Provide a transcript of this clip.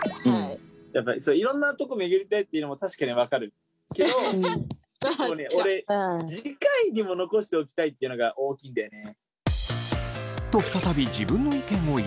いろんな所巡りたいっていうのも確かに分かるけど俺次回にも残しておきたいっていうのが大きいんだよね。